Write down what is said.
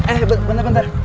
eh bentar bentar